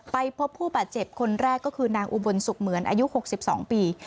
ไปพบผู้บาดเจ็บคนแรกก็คือนางอุบลสุขเหมือนอายุ๖๒ปี